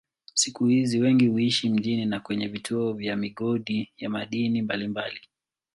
Siku hizi wengi huishi mjini na kwenye vituo vya migodi ya madini mbalimbali.